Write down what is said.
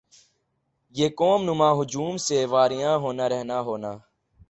یِہ قوم نما ہجوم سے واریاں ہونا رہنا ہونا